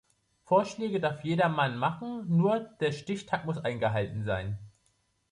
Vorschläge darf jedermann machen, nur der Stichtag muss eingehalten sein.